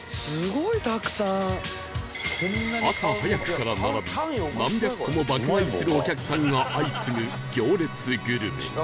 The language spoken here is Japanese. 朝早くから並び何百個も爆買いするお客さんが相次ぐ行列グルメ